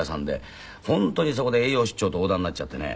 本当にそこで栄養失調と黄疸になっちゃってね。